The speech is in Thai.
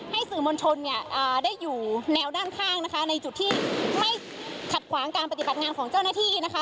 สื่อมวลชนเนี่ยได้อยู่แนวด้านข้างนะคะในจุดที่ไม่ขัดขวางการปฏิบัติงานของเจ้าหน้าที่นะคะ